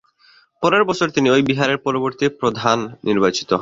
পরের বছর তিনি ঐ বিহারের পরবর্তী প্রধান নির্বাচিত হন।